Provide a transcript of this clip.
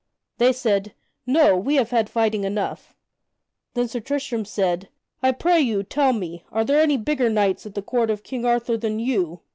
They said, "No, we have had fighting enough." Then Sir Tristram said: "I pray you, tell me, are there any bigger knights at the court of King Arthur than you?